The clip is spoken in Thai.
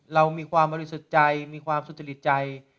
เรามีความบริสุทธิ์ใจมีความสุจริตใจ